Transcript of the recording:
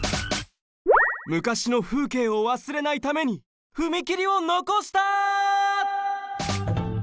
昔の風景をわすれないために踏切をのこした！